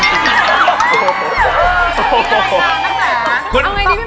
นั่งน้ำศา